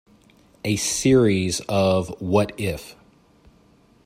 A series of What If?